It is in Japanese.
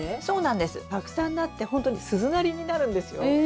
たくさんなって本当に鈴なりになるんですよ。